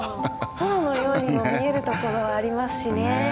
空のようにも見えるところありますしね。